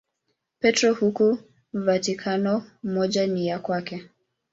Petro huko Vatikano, moja ni ya kwake.